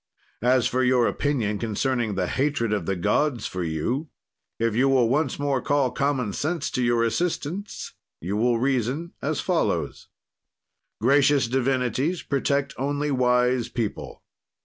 "'As for your opinion concerning the hatred of the gods for you, if you will once more call common sense to your assistance you will reason as follows: "'Gracious divinities protect only wise people.